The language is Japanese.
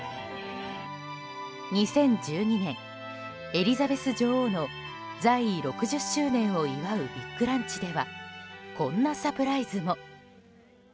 ２０１２年、エリザベス女王の在位６０周年を祝うビッグランチではこんなサプライズも。